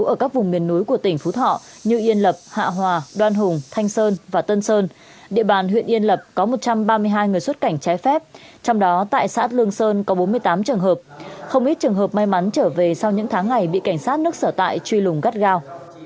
ở các vùng miền núi của tỉnh phú thọ như yên lập hạ hòa đoan hùng thanh sơn và tân sơn địa bàn huyện yên lập có một trăm ba mươi hai người xuất cảnh trái phép trong đó tại xã lương sơn có bốn mươi tám trường hợp không ít trường hợp may mắn trở về sau những tháng ngày bị cảnh sát nước sở tại truy lùng gắt gao